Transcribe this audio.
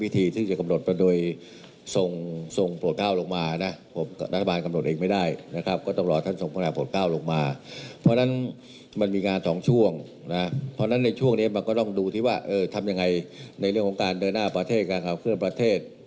ทำยังไงในเรื่องของการเดินหน้าประเทศการขับเครื่องประเทศ